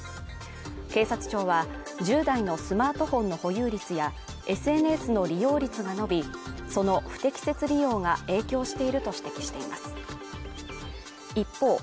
警察庁は１０代のスマートフォンの保有率やＳＮＳの利用率が伸び、その不適切利用が影響していると指摘しています。